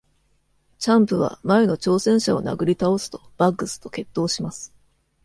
チャンプは、前の挑戦者を殴り倒すと、バッグスと決闘します。